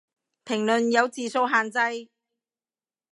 評論有字數限制